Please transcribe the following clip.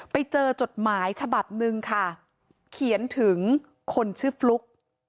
จดหมายฉบับหนึ่งค่ะเขียนถึงคนชื่อฟลุ๊ก